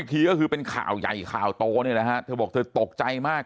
ทีก็คือเป็นข่าวใหญ่ข่าวโตเนี่ยนะฮะเธอบอกเธอตกใจมาก